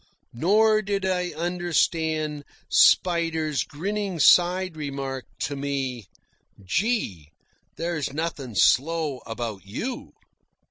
Nor did I understand Spider's grinning side remark to me: "Gee! There's nothin' slow about YOU."